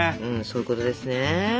そういうことですね。